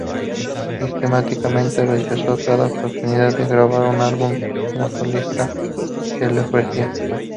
Sistemáticamente rechazó cada oportunidad de grabar un álbum como solista que se le ofrecía.